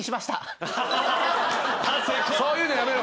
そういうのやめろ。